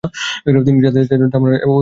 তিনি জাতিতে ছিলেন জার্মান ও ইংলিশ।